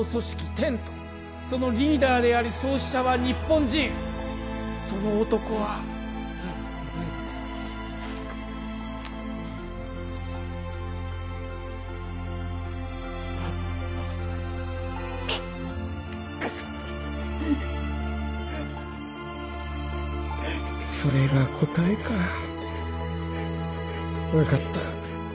テントそのリーダーであり創始者は日本人その男はうっくっそれが答えか分かった